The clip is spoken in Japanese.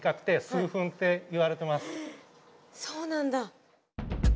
そうなんだ。